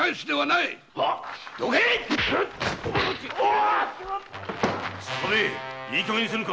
いいかげんにせぬか！